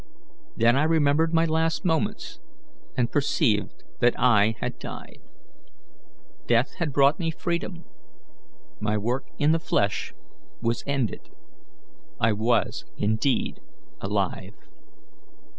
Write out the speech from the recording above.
Then I remembered my last moments, and perceived that I had died. Death had brought freedom, my work in the flesh was ended, I was indeed alive.